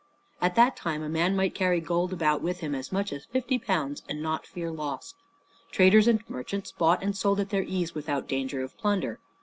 At that time a man might carry gold about with him, as much as fifty pounds, and not fear loss. Traders and merchants bought and sold at their ease without danger of plunder.